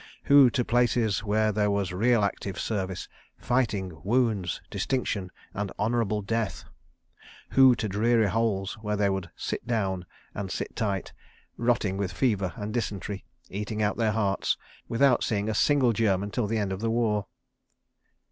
Who to places where there was real active service, fighting, wounds, distinction and honourable death? Who to dreary holes where they would "sit down" and sit tight, rotting with fever and dysentery, eating out their hearts, without seeing a single German till the end of the war.